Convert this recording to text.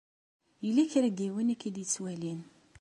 Yella kra n yiwen i k-id-ittwalin.